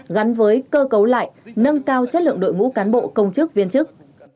gắn với cơ cấu lại nâng cao chất lượng đội ngũ cán bộ công chức viên chức